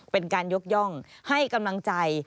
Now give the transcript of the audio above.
เป็นการยกย่องให้กำลังใจ